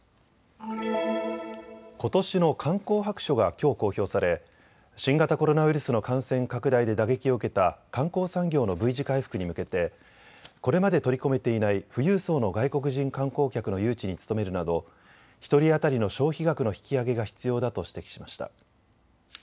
ことしの観光白書がきょう公表され新型コロナウイルスの感染拡大で打撃を受けた観光産業のＶ字回復に向けてこれまで取り込めていない富裕層の外国人観光客の誘致に努めるなど１人当たりの消費額の引き上げが必要だと指摘しました。